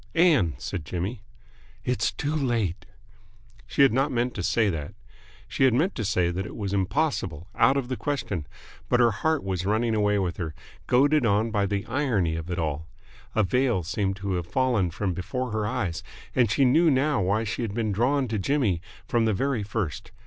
"Ann!" said Jimmy. "It's too late!" She had not meant to say that. She had meant to say that it was impossible, out of the question. But her heart was running away with her, goaded on by the irony of it all. A veil seemed to have fallen from before her eyes, and she knew now why she had been drawn to Jimmy from the very first.